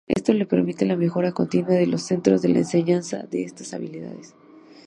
Esto permite la mejora continua de los centros en la enseñanza de estas habilidades.